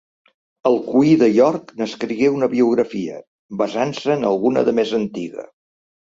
Alcuí de York n'escrigué una biografia, basant-se en alguna de més antiga.